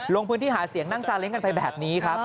ลงพื้นที่หาเสียงนั่งซาเล้งกันไปแบบนี้ครับ